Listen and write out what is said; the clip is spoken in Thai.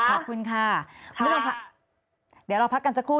ขอบคุณค่ะเดี๋ยวเราพักกันสักครู่